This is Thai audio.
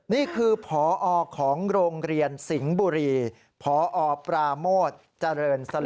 นี่คือพอของโรงเรียนสิงห์บุรีพอปราโมทเจริญสล